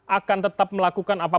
akan tetap melakukan apapun